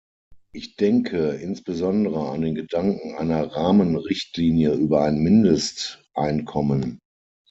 Ich denke insbesondere an den Gedanken einer Rahmenrichtlinie über ein Mindesteinkommen.